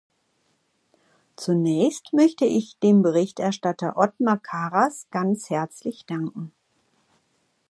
Zunächst möchte ich dem Berichterstatter Othmar Karas ganz herzlich danken.